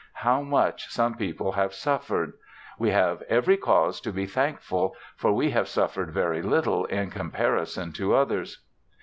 How much some people have suffered. We have every cause to be thankful, for we have suffered very little in comparison to others.